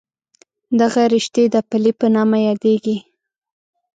دغه رشتې د پلې په نامه یادېږي.